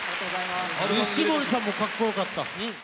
西森さんもかっこよかった。